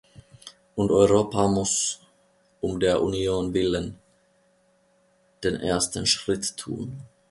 Und Europa muss, um der Union willen, den ersten Schritt tun.